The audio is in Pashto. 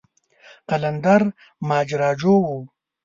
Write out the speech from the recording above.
قلندر ماجراجو و.